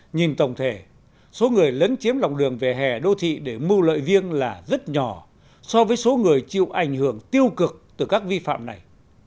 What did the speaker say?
nhìn tổng thể số người lấn chiếm lòng đường về hè đô thị để mưu lợi riêng là rất nhỏ so với số người chịu ảnh hưởng tiêu cực từ các vi phạm này